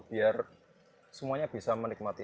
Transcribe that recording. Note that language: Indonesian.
biar semuanya bisa menikmati